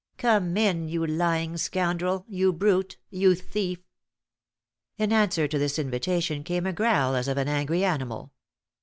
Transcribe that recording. Come in, you lying scoundrel, you brute, you thief!" In answer to this invitation came a growl as of an angry animal.